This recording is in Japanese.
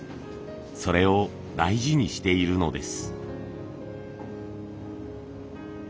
それを大事にしているのです。